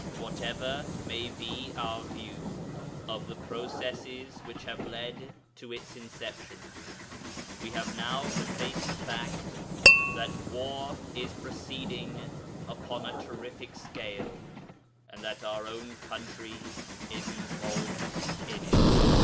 Whatever may be our view of the processes which have led to its inception, we have now to face the fact that war is proceeding upon a terrific scale and that our own country is involved in it.